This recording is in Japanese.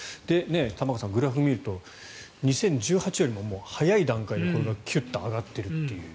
玉川さん、グラフを見ると２０１８年よりも早い段階でこれがキュッと上がっているという。